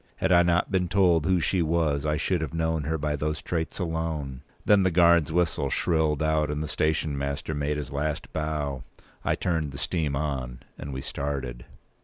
Had I not been told who she was, I should have known her by those traits alone. Then the guard's whistle shrilled out, and the station master made his last bow; I turned the steam on; and we started.